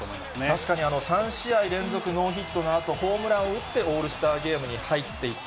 確かに３試合連続ノーヒットのあと、ホームランを打ってオールスターゲームに入っていった。